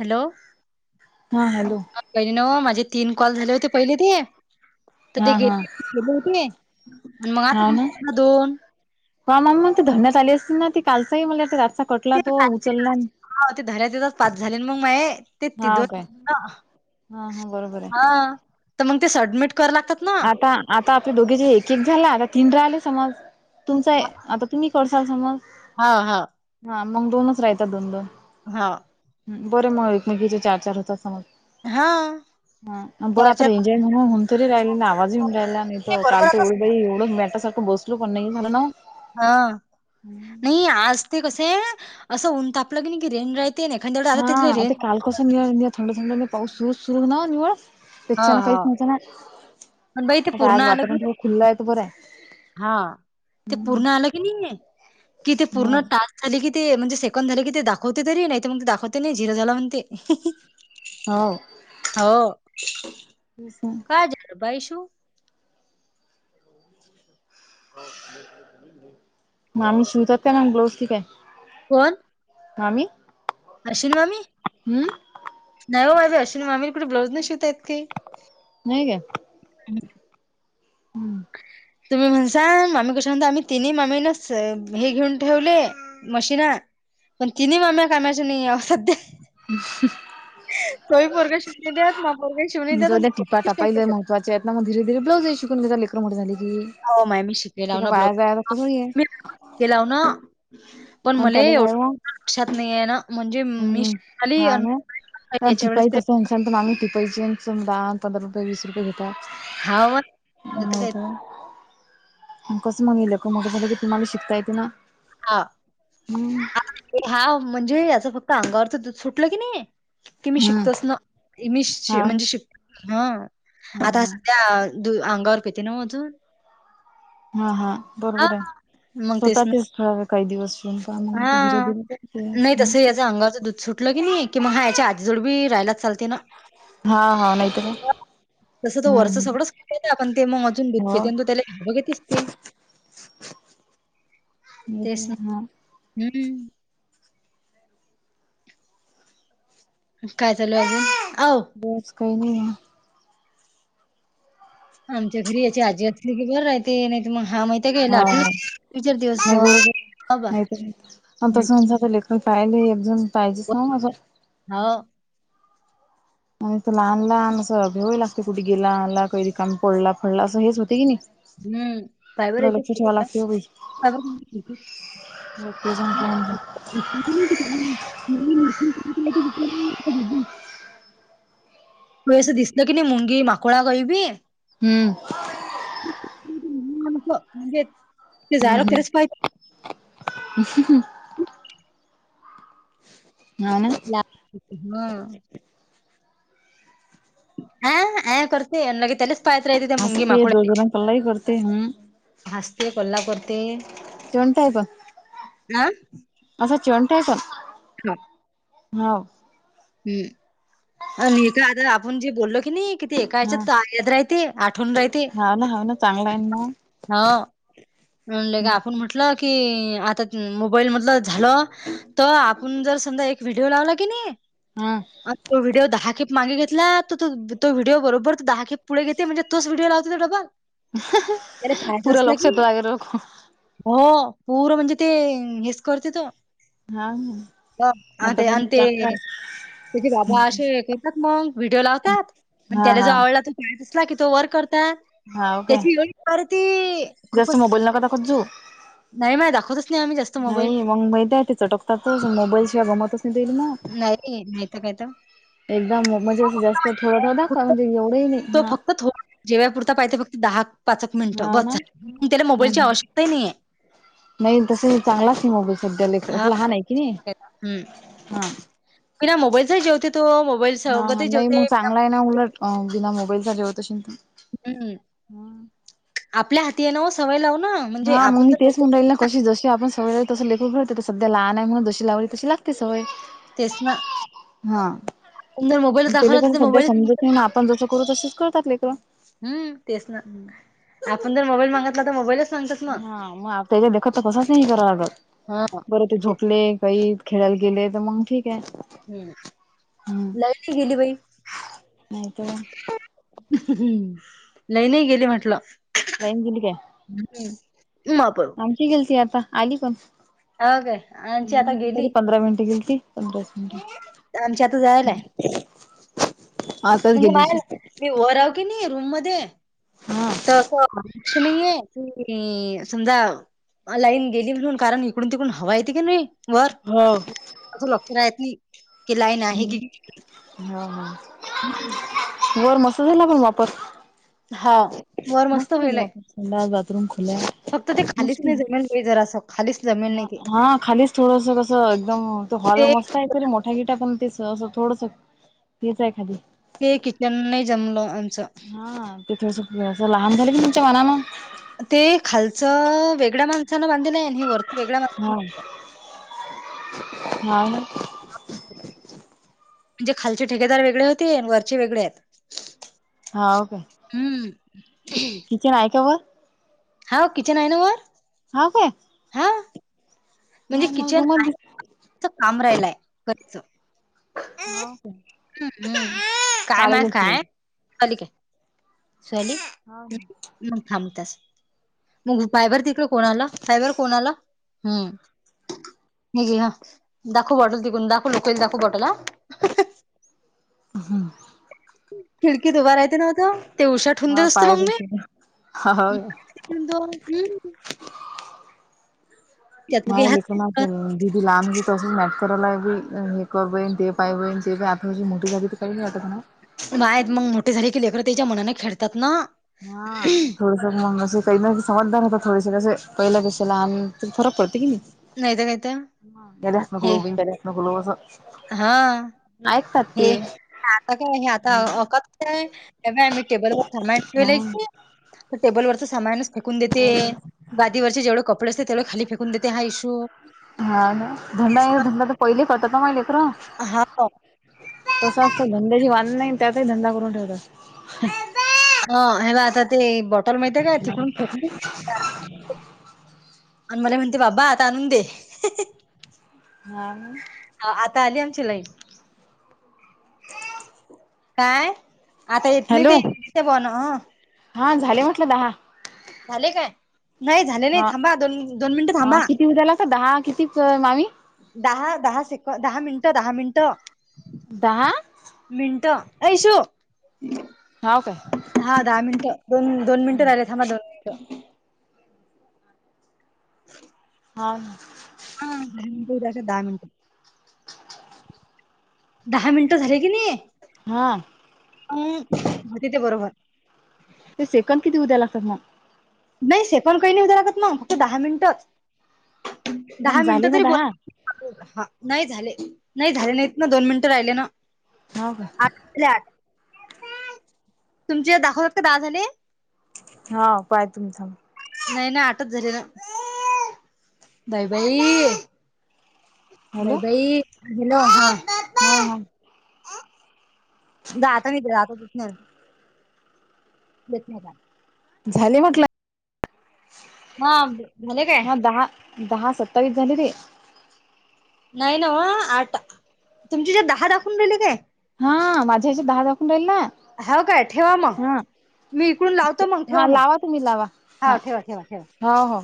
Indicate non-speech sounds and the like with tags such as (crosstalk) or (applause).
Hello हा (unintelligible) बहिणी न माझे तीन कॉल झाले होते पहिले ते तर ते हा गे हा गेले होते आणि मग आता ना दोन वा म ते धरण्यात आली असती ना त कालचा मला रातचा कटला ते तो कालचे उचलला. हा ते धऱ्यात येतच पाच झाले म ते त हा काय दोन हा हा बरोबर आहे हा तर मग ते सडमिट आता आता आपले दोघे जे एक एक झाला आता तीन राहिले समज. तुमचंय आता तुम्ही करसाल समज हा हा हा मग दोनच राहतात दोन, दोन. हा बरं मग एकमेकीचे चार, चार होतात मग. हा हा बरं चार आता चार रेंज हाय म्हणून होऊन तरी राहिल. जी राहिला नाही आणि काल बरोबर ते आता एवढ बाई एवढं मेट सारखं बसलो पण नाही झा ना हा नाही आज ते कस आहे असं ऊन तापलं की नाही की रेन राय ते नाही खंडेल दादा तिथली रे. नि थंड थंड पाऊस सुरू सुरू ना निवळ हा बच्याना हा काहीच मात पण बाई ते नाही. पूर्ण आज आलं की वातावरण थोडं खुलं आहे तर बरं आहे. हा ते पूर्ण आलं की नाहीये कि ते ह पूर्ण टास्. झाली की ते म्हणजे सेकड झाले की ते दाखवते तरी नाही तर मग ते दाखवते नाही झिरो झाला म्हण ते. हो हो तेच ना काय झार भाई सु. मामी शिवतात का नाही ब्लाउज ठीक आहे. कोण. मामी. अश्विन मामी हम्म नाहीव माझ अश्विन मामी कुठे ब्लाऊज नाही शिवता यय की. नाही का. ह, तुम्ही म्हणसा मामी कशा म्हणता आम्ही तिन्ही मामी नाच हे घेऊन ठेवले. मशीन पण तिन माम्या कामाच्या नाही सध्या. तोही बोरग शिवणी द्या ना बोरग (unintelligible) शिवणी द्या त्याच्यात मग धरे धे्लाज शिकून लेकरं मोठी झाली की. हो माय मी ते शिकेलाव काय ना वाया जाया ब्लाज लागतं थोडी आहे मी (inaudible) हे लाव ना पण आणि मले त्याले काय एवढं मग लक्षात नाहीये ना. म्हणजे मी हम्म शिकून आली हा आणि ना याच्या वेळेस तिपाई ते तसं म्हल तर मागणी तिपाईचीच राल. पंधरा रुपये वीस रुपये घेतात हाव मग नाहीतर काय नाहीत. कस मग का लेकर झा की तुम्हाला शिकता येत ना. हा हम्म हा, म्हणजे याच फक्त अंगावरच दूध सुटलं की नाही. कि मी हम्म शिकतोस ना मी हा हा म्हणजे शिक हा. आता हा सध्या द अंगावर प येते ना अजून. हा हा, हां, बरोबर आहे स्वतःचेच ठळावे काही दिवस. शिवून पहा हा मग धीरे धीरे नाही करते तस याच अंगाचं दूध सुटलं की नाही कि मग हा याच्या आजीजोड बी राहायलाच चालत. हा हा, नाही. तसं त वरष सगळंच खतय ना आपण ते मग अजून दुतते हो ते तू त्याला घा बघतस ते. हे तर हा. हम्म. काय चालू अजून अ. बस काय नाही ना. आमच्या घरी याची आजी असली की घर आहे ते नाही त मग हा माहिती. हा, तुझर नाही दिवस. बरोबर नाही तसं म्हण लेकरं पाहिले एकजण पाहिजेच नां मागं. हा, आणि त लहान लहान असं भेवाय लागते कुठे गेला आला कध र काम पडला फडला असं हेच होते की नाही. हम्म काही ब लक्ष ठेवा याच्या (unintelligible) जकजन का (unintelligible) म (unintelligible) तूस दिसलं क नाही मुंगी माकुळा गोई बी. हम्म. म्हणजे (inaudible) जायला हम हम. त्यालाच पाहिजे ना न लागत तीथं ॲ ॲ करतय, आन लगे तेलेच पाह्यत राहतय, ते मुंगी हसते माकोड्याले. जोरजोरान कल्लाही करते हम्म हासते, कल्ला करते. चेवंट हाय बघ, हा पण असं चीवणट हाय पण नो. हाव. हूम् आणि का आता आपण जे बोललो क नी, ते एका हा हेच्यात टा येथ राह्यती, आठवून राही हाव ना? हाव ना? चांगला हाय न म. हो. म्हनले का आपण म्हटलं की, अ आता मोबाईल मधलं झालं तर, आपण जर समजा एक व्हिडिओ लावला की नी आ. आप तो व्हिडिओ दहा खेप मागे घेतला, तर तो तो व्हीडिओ बरोबर दहा खेप पुढे घेते म्हणजे तोच व्हिडओ लावतो डब्बल. पुूरा लक्षत व्हाय नको. हो पूर म्हणजे ते हेच करते त. हा अ आ ते आण आतापासून ते चांगला आहे त्याझे बाबा असे हे करतात मग, व्हिडिओ लावतात आणि हा त्याला जो हा आवडला तो दिसला की तो वर करता, हा ओके त्याची ए परती जास्त खूपच मोबाईल नका दाखवत जावू. नाही माय दाखवतच नाही आम नाही मग माहित हाय, तिच ते टकताच मोबाईल शिवाय गमतच नाही तेन म नाही नाहीत कायत एकदा मोबाईल चा जास्त थोडं, थोडा दाखवा म्हणे एवढंही नाही हा फ थो जेवाय पुरता पाहिते फक्त, दहा पाचेक मिनिटं हा बस ना झाल, त्याला हा मोबाईलची हा आवश्यकताही नाहीे. नाही तस चांगलाच नाही मोबाईल, सध्या लेकर लहान हाये ती. हूम्म हा. बिना मोबाईलचा जेवतोय तो. मोबाईल हा हा सोबतही नाही मग जेवते. बिना चांगला हाय ना, उलट बिना मोबाईलचा जेवत अशील तर हूम्म आपल्या हाती हाय नव सवय लाव न हा मग मी तेच म्हणू ऱ्हायल कशी जशी आपण सवय लावू तशी लेकरू घडते, ते सध्या लहान हाय म्हणून जशी लावेल तशी लागते सवय. तेच ना. हा आपण जर मोबाईल ते ले दाखवला तर पण सध्या मोबाईलच समजून ते मागतात ना आपण जसं करू, तसच करतात लेकर. हुंम तेच ना, आपण जर मोबाईल मागतला तर मोबाईलच मागतात ना. हा मग त्याच्या देखत, तर कसाच नाही करा लागत, हां. बर ते तेच. झोपले काही खेळायला गेले तर मंग ठीक हाय. हूम्म लाईट गेली बाई. नाहीतर काय? हम्म लाईन ही गेली म्हटलं. लाईन गेली काय? हूम्म माप. आणख गेलती आता आली पण. काय आमची आता ह् गेली तरी पंधरा मिनिट गेलती. पधरा आमची आता जायलाय प म्हणजे मी वर आहे की नाही रूम मध्ये. हा त असं अक्ष नाहीये. की समजा लाईन गेली म्हणून कारण इकडून तिकडून हवा येते की नाही वर हो लक्ष राहत नाही की लाईन आहे कि गेली हा- हा हम् वर मस्त झाला पण वापर हा. वर मस्त मस्ण व्हायलाय थंडा बाथरूम खुला फक्त ते खालीच नाही जमेल बाई जरा असं खालीच जमेल नाही ते हा खाली थोडस कसं एकदम त हॉल ते मस्त आहे तरी मोठा गिटा पण तेस असं थोडस तेच एखादी ते किचन नाही जमलं. आमचं हा तेिथस लहान झालं की तुमच्या मनान ते खालचं वेगळ्या माणसानं बांधलं आहे वरत हा हा म्हणजे खालचे ठेकेदार वेगळे होते वरचे वेगळेत हा ओके. हम्म. (unintelligible) हा किचन आहे ना व हा काय? म्हणजे हा मला किचन रूमच दिस आहे काम राहिलय कच (unintelligible) (unintelligible) काळी लक्ष्मी हाव (unintelligible) खांबतस मग पहा बर तिकडे कोणाला पाय बर कोणाला हम् ह ज हा दाखवू पटल तिकून दाखव लोक दाखू पटल हमंम. खिडकीत उभार राहते नव्हत ते उषा ठ हुून देत हा असत पाय मग दुखी हा मी. (unintelligible) त्यात माय हात लेखना दिदी (unintelligible) पा होन ते आपण हजची मोठी झाली तर काही नाही आता ना आहेत मग मोठे झाले कले ख त्याच्या मनाने खेळतात ना हा थोड मग काही ना समजदार होत थोडेसे कसे पहिला कशाला आणि फरक पडते की नाही नाही तर काय तर स हे नकल इंटस नकलो असं हा ऐकतात ते हे आता का नाही हे आता क मही टेबल वर थम ठलाी तर टेबल वरच सामानच फेकून देते. गादीवरचे जेवढ कपडे असते तेवढ खाली फेकून देते हा इश्यू धंडा धंडा तर पहिले करतात माहिले तर्र हा. तसं असतं धंद्याची वान नाही, त्यातही धंदा करून ठेवतात. अ हेला आता ते बॉटल माहीती काय (unintelligible) (unintelligible) आणि मला म्हणते बाबा आत आणून दे. हा हा आता आली आमची लाईट. (inaudible) काय आता हॅलो बण हो हा झाले म्हटलं दहा. झाले काय? नाही झाले नाही हा थांबा दोन दोन मिनिटं हा थांबा. किती उद्याला का दहा किती मामी दहा दहा सेक दहा मिनटं, दहा मिनट. दहा मिनटं ऐशू. (unintelligible) हा दहा मिनिटं, दोन दोन मिनिटं राहिले थांबा दोन मिनटं. (unintelligible) हा हा दहा मिनट. दहा मिनटं झाले की नही. हा अ होती ते बरोबर. ते सेकंड किती हु लागतात मग? नाही सेकंद काही नाही हु द्या लागत म फक्त दहा मिनिटं दहा मग झाले मिनिटंच ना जरी दहा बोला (unintelligible) नाही झाले नाही झाले नाहीत ना दोन मिनिटं राहिले ना हाव काय आठ (unintelligible) तुमचे दहा होते दहा झाले. हा पाय (unintelligible) नाही ना आताच झाली ना बाई बाई हॅलो बाई हॅलो आ हा हा हा ह (unintelligible) धन्यवाद झाले म्हटलं, (unintelligible) हा झाले काय म दहा दहा सत्तावीस झाले रे. नाही नव्ह आठ तुमची हेझ्यात दहा दाखवून राहिले काय? हा माझे हेज्यात दहा दाखवून राहिले ना. हो काय ठेवा मग. हा मी इकडून लावतो मग हा ठेवा मग लावा तुम्ही लावा हा ठेवा ठेवा ठेवा. हा ह